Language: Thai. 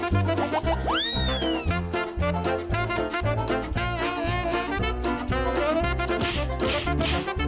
สวัสดีครับ